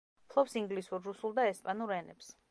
ფლობს ინგლისურ, რუსულ და ესპანურ ენებს.